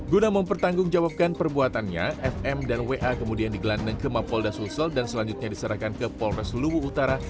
guna mempertanggungjawabkan perbuatannya fm dan wa kemudian digelandang ke mapolda sulsel dan selanjutnya diserahkan ke polres luwu utara